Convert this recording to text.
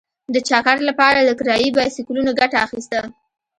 د چکر لپاره له کرايي بایسکلونو ګټه اخیسته.